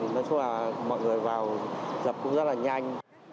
nói chung là mọi người vào dập cũng rất là nhanh